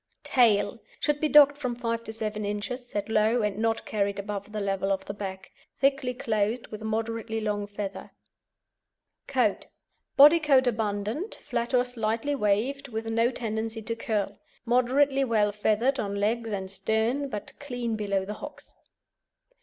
TAIL Should be docked from five to seven inches, set low, and not carried above the level of the back, thickly clothed with moderately long feather. COAT Body coat abundant, flat or slightly waved, with no tendency to curl, moderately well feathered on legs and stern, but clean below the hocks.